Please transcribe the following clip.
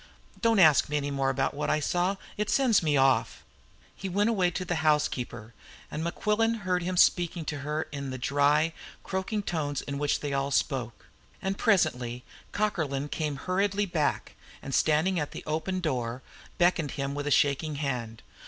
Don't ask me any more about what I saw. It sends me off." He went away to the housekeeper, and Mequillen heard him speaking to her in the dry, croaking tones in which they all spoke. And presently Cockerlyne came hurriedly back, and, standing at the open door, beckoned to him with a shaking hand.